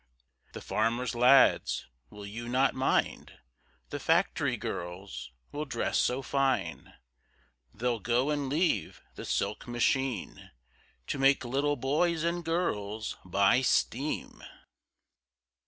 The farmers' lads will you not mind, The factory girls will dress so fine, They'll go and leave the silk machine, To make little boys and girls by steam.